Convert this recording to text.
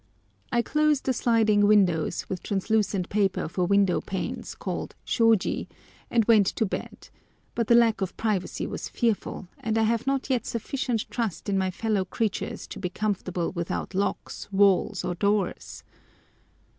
I closed the sliding windows, with translucent paper for window panes, called shôji, and went to bed, but the lack of privacy was fearful, and I have not yet sufficient trust in my fellow creatures to be comfortable without locks, walls, or doors!